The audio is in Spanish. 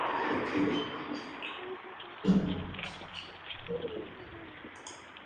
Eusebio Ayala, Av.